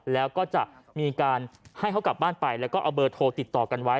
แล้วก็จะมีการให้เขากลับบ้านไปแล้วก็เอาเบอร์โทรติดต่อกันไว้